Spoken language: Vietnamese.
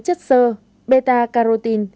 chất sơ beta carotene